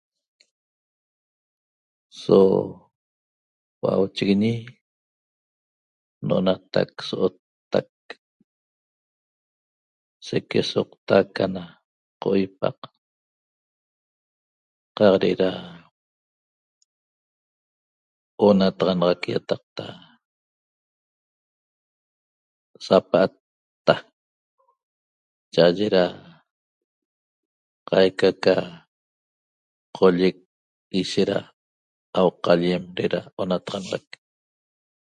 So hua'auchiguiñi n'onatac so'ottac sequesoqtac ana qoipaq qaq de'eda onataxanaxac ýataqta sapa'atta cha'aye da qaica ca qollec ishet da auqallem de'eda onataxanaxac